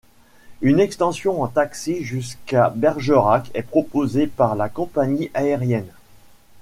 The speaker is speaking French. Une extension en taxi jusqu'à Bergerac est proposée par la compagnie aérienne.